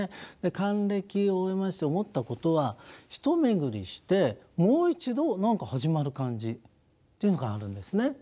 還暦を終えまして思ったことは一巡りしてもう一度何か始まる感じというのがあるんですね。